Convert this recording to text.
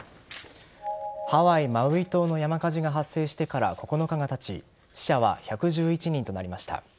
ハワイ・マウイ島の山火事が発生してから９日がたち死者は１１１人となりました。